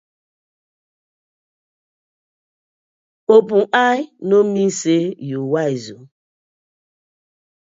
Open eye no mean say yu wise ooo.